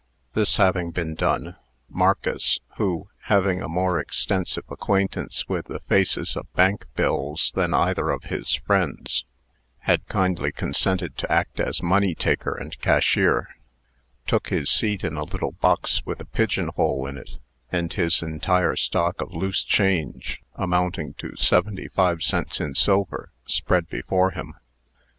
This having been done, Marcus (who, having a more extensive acquaintance with the faces of bank bills than either of his friends, had kindly consented to act as money taker and cashier) took his seat in a little box with a pigeon hole in it, and his entire stock of loose change, amounting to seventy five cents in silver, spread before him.